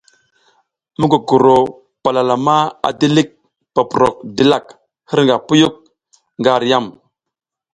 Mukukuro palalama a dilik poprok dilak hirnga puyuk nga ar yam.